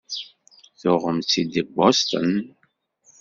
Tuɣemt-tt-id deg Boston?